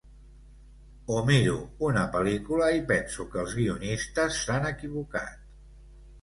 O miro una pel·lícula i penso que els guionistes s’han equivocat.